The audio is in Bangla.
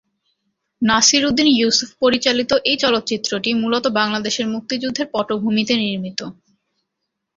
নাসির উদ্দীন ইউসুফ পরিচালিত এই চলচ্চিত্রটি মূলত বাংলাদেশের মুক্তিযুদ্ধের পটভূমিতে নির্মিত।